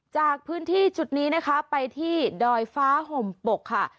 จากพื้นที่จุดนี้นะคะไปที่ดอยฟ้าห่มปกค่ะ